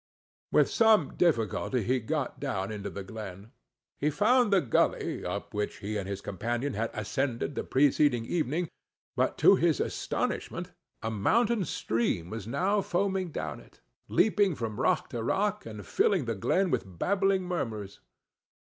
With some difficulty he got down into the glen: he found the gully up which he and his companion had ascended the preceding evening; but to his astonishment a mountain stream was now foaming down it, leaping from rock to rock, and filling the glen with babbling murmurs.